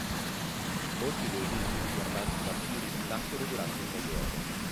Molti dei miti riguardanti i vampiri nacquero durante il medioevo.